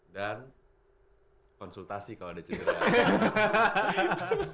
dan konsultasi kalau ada cenderungan